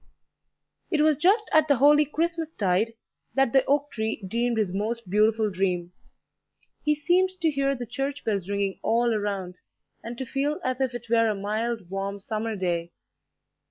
It was just at the holy Christmas tide that the oak tree dreamed his most beautiful dream. He seemed to hear the church bells ringing all around, and to feel as if it were a mild, warm summer day.